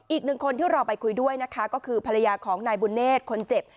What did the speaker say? อีกหนึ่งคนที่เราไปคุยด้วยนะคะก็คือภรรยาของนายบุญเนธคนเจ็บ